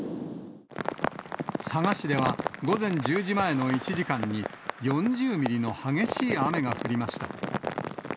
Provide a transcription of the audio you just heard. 佐賀市では午前１０時前の１時間に４０ミリの激しい雨が降りました。